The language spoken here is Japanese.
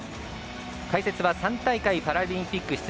解説は３大会パラリンピック